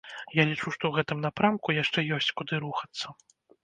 Я лічу, што ў гэтым напрамку яшчэ ёсць куды рухацца.